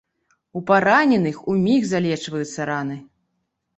У параненых уміг залечваюцца раны.